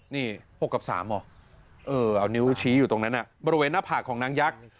นี่๖กับ๓เหรอเอานิ้วชี้อยู่ตรงนั้นบริเวณหน้าผากของนางยักษ์